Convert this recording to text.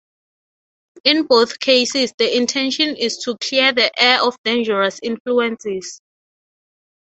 In both cases the intention is to clear the air of dangerous influences.